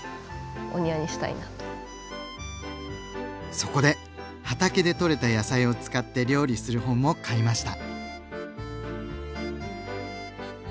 そこで畑でとれた野菜を使って料理する本も買いました。